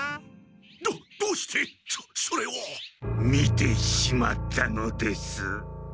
どどうしてそそれを！？見てしまったのです。